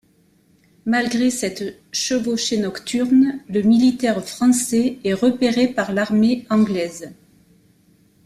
Malgré cette chevauchée nocturne, le militaire français est repéré par l'armée anglaise.